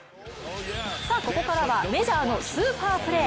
ここからはメジャーのスーパープレー。